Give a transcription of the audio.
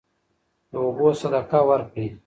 د اوبو صدقه ورکړئ.